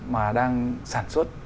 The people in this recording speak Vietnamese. mà đang sản xuất